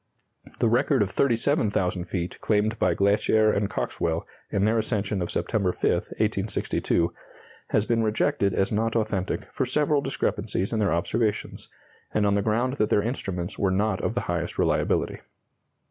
The record of 37,000 feet claimed by Glaisher and Coxwell in their ascension on September 5, 1862, has been rejected as not authentic for several discrepancies in their observations, and on the ground that their instruments were not of the highest reliability.